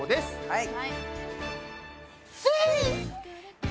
はい。